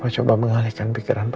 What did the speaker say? papa coba mengalihkan pikiran papa